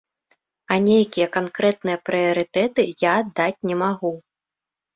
А нейкія канкрэтныя прыярытэты я аддаць не магу.